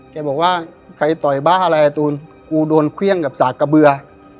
แกบอกว่าใครต่อยบ้าอะไรอ่ะตูนกูโดนเครื่องกับสากกระเบือ